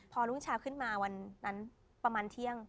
พอรุ่งเช้าขึ้นมาวันนั้นประมาณเที่ยง